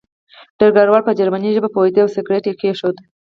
ډګروال په جرمني ژبه پوهېده او سګرټ یې کېښود